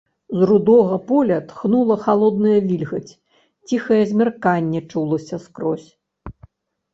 З рудога поля тхнула халодная вільгаць, ціхае змярканне чулася скрозь.